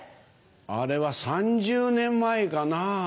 あれは３０年前かな？